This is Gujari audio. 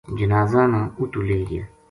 جنازہ نا اُتو لے گیا